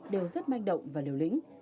đều rất manh động và liều lĩnh